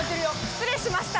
失礼しました！